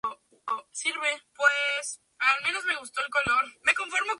El buque fue pronto reflotado.